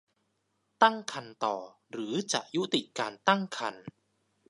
ตั้งครรภ์ต่อหรือจะยุติการตั้งครรภ์